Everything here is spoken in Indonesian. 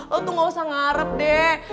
lo tuh gak usah ngaret deh